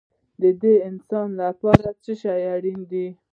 د انسان لپاره څه شی اړین دی؟